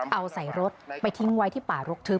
เอาใส่รถไปทิ้งไว้ที่ป่ารกทึบ